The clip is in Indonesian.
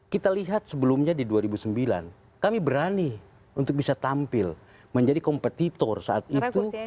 kita lihat sebelumnya di dua ribu sembilan kami berani untuk bisa tampil menjadi kompetitor saat itu